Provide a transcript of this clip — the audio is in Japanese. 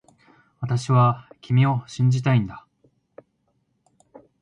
私は君を信じたいんだ